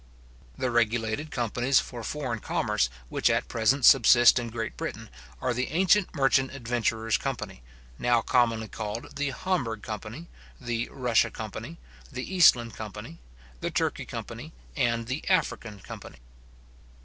The regulated companies for foreign commerce which at present subsist in Great Britain, are the ancient merchant adventurers company, now commonly called the Hamburgh company, the Russia company, the Eastland company, the Turkey company, and the African company.